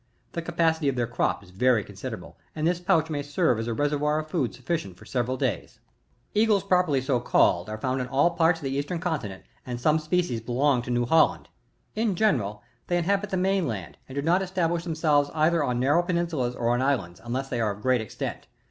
The capacity of their crop is very considerable, and this pouch may serve as a reservoir of food sufficient for several days. 42. Eagles properly so called, are found in all parts of the eastern continent, and some species belong to New Holland. In general, they inhabit the main land, and do not establish them selves either on narrow peninsulas or on islands, unless they are of great extent.